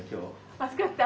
暑かった？